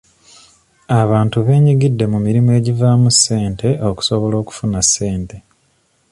Abantu beenyigidde mu mirimu egivaamu ssente okusobola okufuna ssente.